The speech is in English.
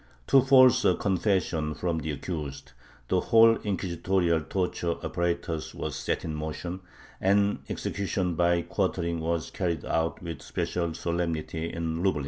To force a confession from the accused the whole inquisitorial torture apparatus was set in motion, and execution by quartering was carried out with special solemnity in Lublin.